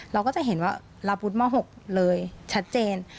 เราก็จะเห็นว่าลาพุทธม๖เลยชัดเจน